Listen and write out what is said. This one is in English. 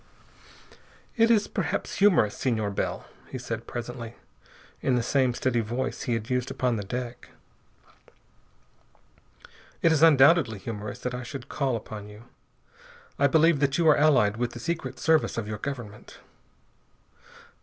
"It is perhaps humorous, Senor Bell," he said presently, in the same steady voice he had used upon the deck. "It is undoubtedly humorous that I should call upon you. I believe that you are allied with the Secret Service of your government."